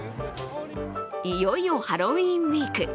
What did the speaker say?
いよいよハロウィーンウィーク。